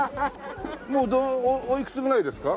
もうおいくつぐらいですか？